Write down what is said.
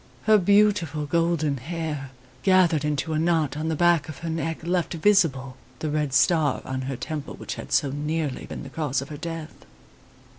Her beautiful golden hair, gathered into a knot on the back of her neck, left visible the red star on her temple which had so nearly been the cause of her death.